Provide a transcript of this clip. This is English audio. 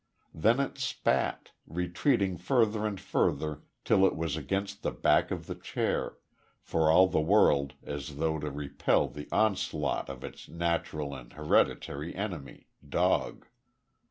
Then it spat, retreating further and further till it was against the back of the chair, for all the world as though to repel the onslaught of its natural and hereditary enemy dog.